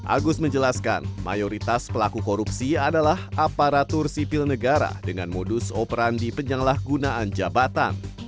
agus menjelaskan mayoritas pelaku korupsi adalah aparatur sipil negara dengan modus operandi penyalahgunaan jabatan